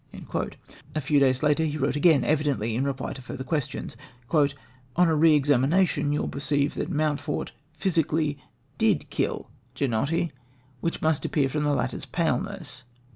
" A few days later he wrote again, evidently in reply to further questions: "On a re examination you will perceive that Mountfort physically did kill Ginotti, which must appear from the latter's paleness."